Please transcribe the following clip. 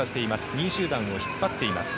２位集団を引っ張っています。